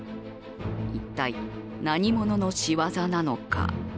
一体、何者の仕業なのか。